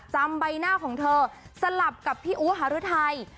จำใบหน้าของเธอสลับกับพี่อู๋หารุทัย